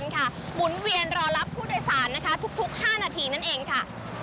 หมุนเวียนรอรับผู้โดยสารทุก๕นาทีนั่นเองค่ะ